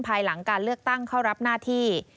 ภายหลังการเลือกตั้งเข้ารับหน้าที่